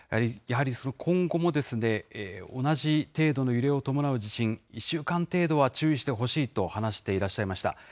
やはり今後も同じ程度の揺れを伴う地震、１週間程度は注意してほしいと話していらっしゃいました。